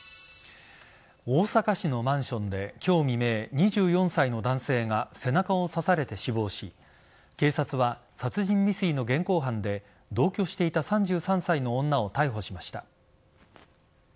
大阪市のマンションで今日未明２４歳の男性が背中を刺されて死亡し警察は殺人未遂の現行犯で同居していた３３歳の女を逮捕しました。